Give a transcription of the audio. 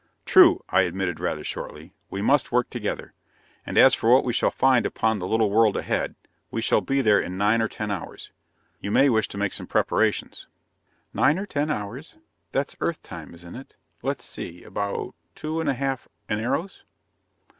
"True," I admitted rather shortly. "We must work together. And as for what we shall find upon the little world ahead, we shall be there in nine or ten hours. You may wish to make some preparations." "Nine or ten hours? That's Earth time, isn't it? Let's see: about two and a half enaros."